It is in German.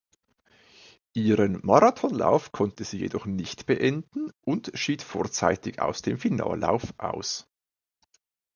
Ihren Marathonlauf konnte sie jedoch nicht beenden und schied vorzeitig aus dem Finallauf aus.